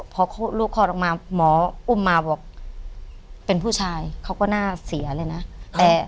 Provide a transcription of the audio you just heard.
พอลูกคลอดออกมาหมออุ้มมาบอกเป็นผู้ชายเขาก็น่าเสียเลยนะ